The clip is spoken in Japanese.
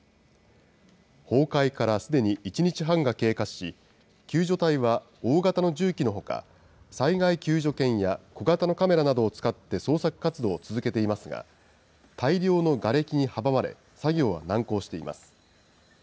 崩壊からすでに１日半が経過し、救助隊は大型の重機のほか、災害救助犬や小型のカメラなどを使って捜索活動を続けていますが、大量のがれきに阻まれ、作業は難航しています。